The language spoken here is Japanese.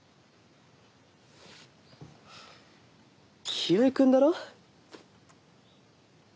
清居君だろ？